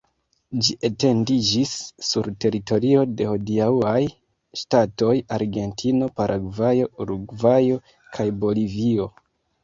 Ĝi etendiĝis sur teritorio de hodiaŭaj ŝtatoj Argentino, Paragvajo, Urugvajo kaj Bolivio.